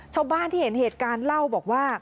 ชาวบ้านที่เห็นเหตุการณ์เล่าบอกว่า